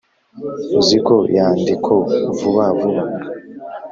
uziko yandiko vuba vuba